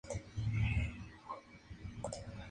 Se trata de su cuarto álbum largo oficial.